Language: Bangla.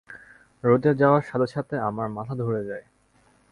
রোদে যাওয়ার সাথে সাথে আমার মাথা ধরে যায়।